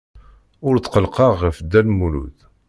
Ur tqellqeɣ ɣef Dda Lmulud.